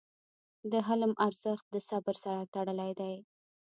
د حلم ارزښت د صبر سره تړلی دی.